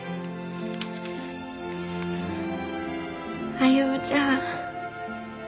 歩ちゃん。